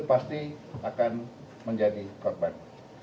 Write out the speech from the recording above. pasti akan menjadi korban